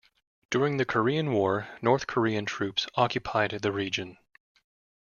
During the Korean War, North Korean troops occupied the region.